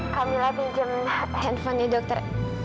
kamila pinjem handphonenya dokter